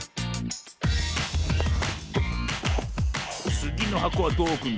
つぎのはこはどうおくんだ？